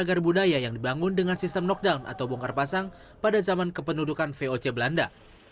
agar budaya yang dibangun dengan sistem knockdown atau bongkar pasang pada zaman kependudukan voc belanda